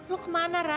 lo kemana ra